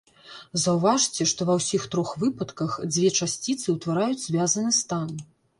Заўважце, што ва ўсіх трох выпадках дзве часціцы ўтвараюць звязаны стан.